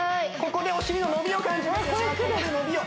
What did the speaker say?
ここでお尻の伸びを感じますよ